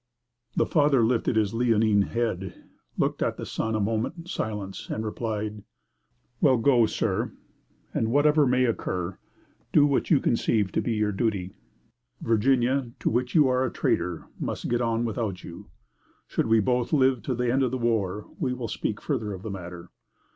The father lifted his leonine head, looked at the son a moment in silence, and replied: "Well, go, sir, and, whatever may occur, do what you conceive to be your duty. Virginia, to which you are a traitor, must get on without you. Should we both live to the end of the war, we will speak further of the matter.